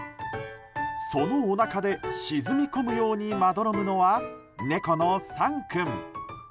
そのおなかで沈み込むようにまどろむのは猫のサン君。